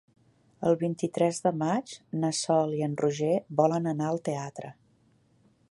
El vint-i-tres de maig na Sol i en Roger volen anar al teatre.